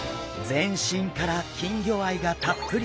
全身から金魚愛がたっぷり！